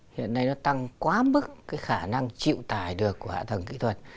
hiện nay nó tăng quá mức khả năng chịu tải được của hạ thần kỹ thuật